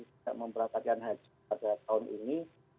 tidak memperhatikan haji pada tahun ini